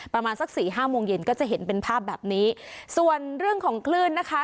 ประมาณสักสี่ห้าโมงเย็นก็จะเห็นเป็นภาพแบบนี้ส่วนเรื่องของคลื่นนะคะ